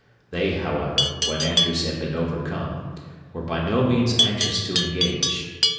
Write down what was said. They, however, when Andrews had been overcome, were by no means anxious to engage.